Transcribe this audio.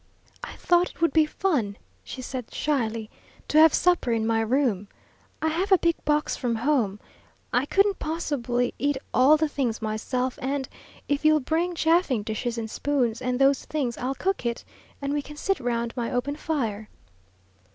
"I thought it would be fun," she said, shyly, "to have supper in my room. I have a big box from home. I couldn't possible eat all the things myself, and if you'll bring chafing dishes and spoons, and those things, I'll cook it, and we can sit round my open fire."